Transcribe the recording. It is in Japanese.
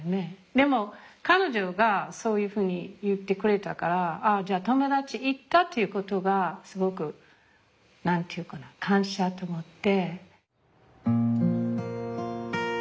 でも彼女がそういうふうに言ってくれたから友達いたということがすごく何て言うかな感謝と思って。